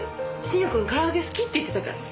信也くんから揚げ好きって言ってたから。